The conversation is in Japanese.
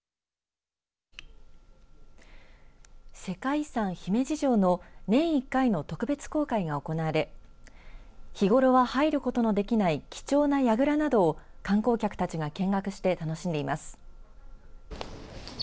世界遺産姫路城の年１回の特別公開が行われ日頃は入ることのできない貴重なやぐらなどを観光客たちが見学して楽しんでいます。